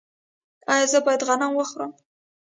ایا زه باید غنم وخورم؟